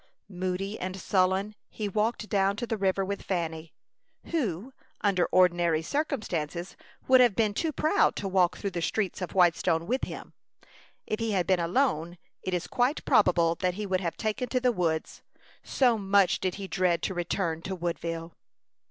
Moody and sullen, he walked down to the river with Fanny, who, under ordinary circumstances, would have been too proud to walk through the streets of Whitestone with him. If he had been alone, it is quite probable that he would have taken to the woods, so much did he dread to return to Woodville.